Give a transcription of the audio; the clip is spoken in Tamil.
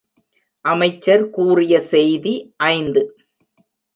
அமைச்சர் கூறிய செய்தி ஐந்து.